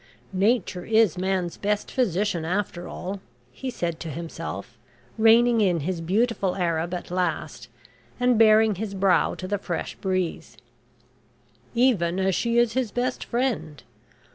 "Nature is man's best physician after all," he said to himself, reining in his beautiful Arab at last, and baring his brow to the fresh breeze. "Even as she is his best friend.